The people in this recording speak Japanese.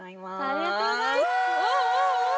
ありがとうございます。